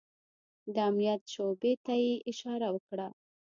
د امنيت شعبې ته يې اشاره وکړه.